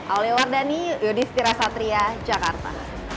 aulia wardani yudhistira satria jakarta